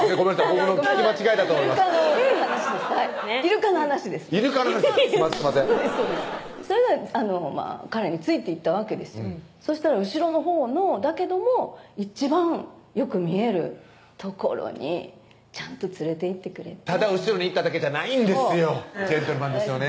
僕の聞き間違いだと思いますイルカの話ですイルカの話すいませんすいませんそれで彼についていったわけですよそしたら後ろのほうだけども一番よく見える所にちゃんと連れていってくれてただ後ろに行っただけじゃないんですよジェントルマンですよね